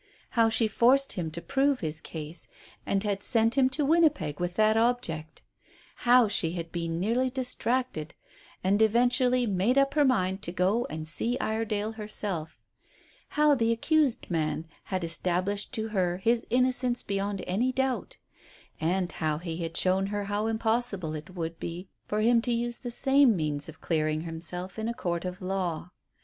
How she forced him to prove his case, and had sent him to Winnipeg with that object; how she had been nearly distracted, and eventually made up her mind to go and see Iredale himself; how the accused man had established to her his innocence beyond any doubt, and how he had shown her how impossible it would be for him to use the same means of clearing himself in a court of law.